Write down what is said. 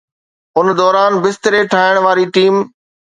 ان دوران، بستري ٺاهڻ واري ٽيم